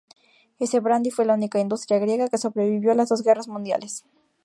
Ese brandy fue la única industria griega que sobrevivió las dos guerras mundiales.